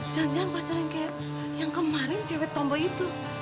jangan pacar yang kaya yang kemarin cewe tomboy itu